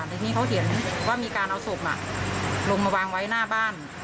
ทีนี้เขาเห็นว่ามีการเอาศพลงมาวางไว้หน้าบ้าน